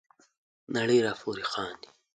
نړۍ را پوري خاندي.